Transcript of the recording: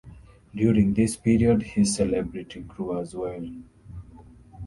During this period his celebrity grew as well.